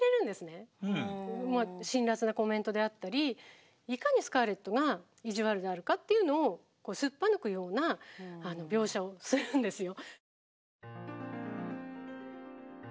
辛辣なコメントであったりいかにスカーレットが意地悪であるかというのをすっぱ抜くような描写をするんですよ。